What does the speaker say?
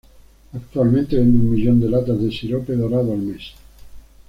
Actualmente vende un millón de latas de sirope dorado al mes.